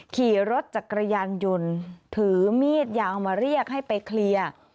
ขี่รถจักรยานยนต์ถือมีดยาวมาเรียกให้ไปเคลียร์